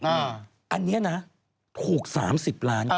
อันนี้นะถูก๓๐ล้าน